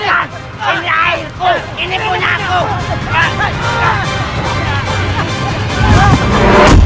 ini airkus ini punya aku